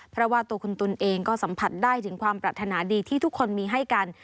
เพราะว่าตัวคุณตุ๋นเองก็สัมผัสได้ถึงความปรารถนาดีที่ทุกคนมีให้กัน